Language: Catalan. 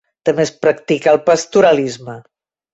També es practica el pastoralisme.